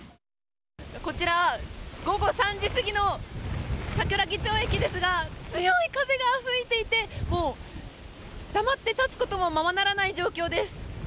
こちらは午後３時過ぎの桜木町駅ですが強い風が吹いていて黙って立つこともままならない状況です。